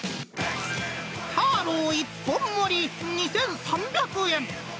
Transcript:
ターロー一本盛り２３００円。